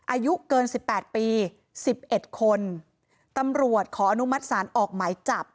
อายุเกิน๑๘ปี๑๑คนตำรวจขออนุมัติศาลออกหมายจับ